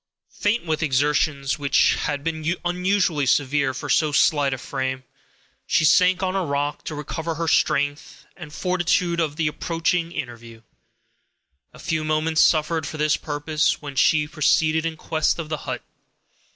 Faint with her exertions, which had been unusually severe for so slight a frame, she sank on a rock, to recover her strength and fortitude for the approaching interview. A few moments sufficed for this purpose, when she proceeded in quest of the hut.